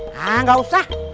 hah nggak usah